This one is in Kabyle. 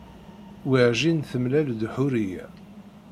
Werjin temlal-d Ḥuriya.